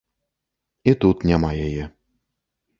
І тут няма яе.